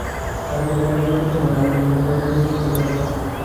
কাঁঠালী এলাকায় নামিয়ে দেওয়ার সময় আবু হানিফের ব্যবহূত মুঠোফোনটিও ফেরত দেওয়া হয়।